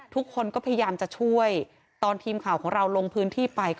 ทุกคนก็พยายามจะช่วยตอนทีมข่าวของเราลงพื้นที่ไป